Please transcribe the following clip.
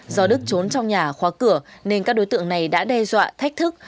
do đức trốn trong nhà khóa cửa nên các đối tượng này đã đe dọa thách thức